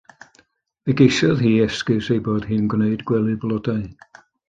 Fe geisiodd hi esgus ei bod hi'n gwneud gwely blodau.